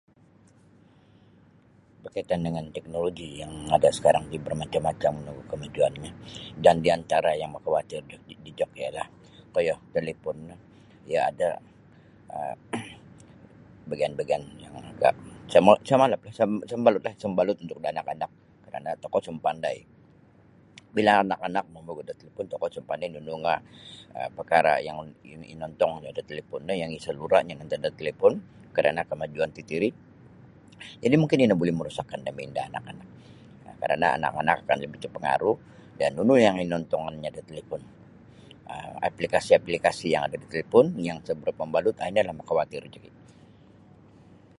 Berkaitan dengan teknoloji yang ada sekarang ti bermacam-macam nogu kemajuannyo dan di antara yang makawatir joki dijok ialah koyo talipon no iyo ada um bagian-bagian yang agak sa ma malap sa mabalut sa mabalutlah untuk anak-anak karana' tokou isa mapandai bila anak-anak mamaguut da talipon tokou isa' mapandai nunu nga' parkara' yang inontongnyo da talipon no yang isalura'nyo antad da talipon karana kemajuan tatiri jadi' mungkin ino buli makarosak da minda anak-anak karana' anak-anak mudah terpengaruh nunu yang inotongonnyo da talipon um aplikasi-aplikasi yang ada da talipon yang isa' barapa' mabalut um ino yang makawatir joki'.